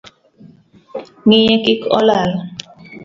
Ngiye kik olal